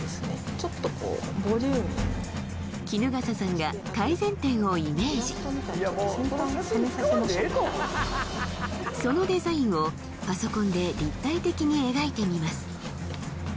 ちょっとこうボリューミーに衣笠さんが改善点をイメージそのデザインをパソコンで立体的に描いてみます